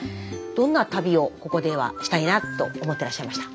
どんな旅をここではしたいなと思ってらっしゃいました？